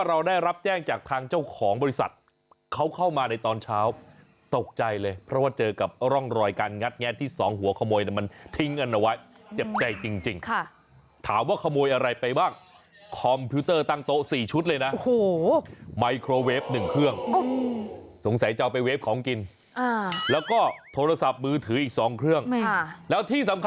เราได้รับแจ้งจากทางเจ้าของบริษัทเขาเข้ามาในตอนเช้าตกใจเลยเพราะว่าเจอกับร่องรอยการงัดแงะที่สองหัวขโมยเนี่ยมันทิ้งกันเอาไว้เจ็บใจจริงถามว่าขโมยอะไรไปบ้างคอมพิวเตอร์ตั้งโต๊ะ๔ชุดเลยนะโอ้โหไมโครเวฟ๑เครื่องสงสัยจะเอาไปเฟฟของกินแล้วก็โทรศัพท์มือถืออีก๒เครื่อง